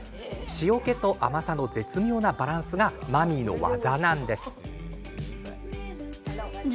塩けと甘さの絶妙なバランスがマミーの技なんです。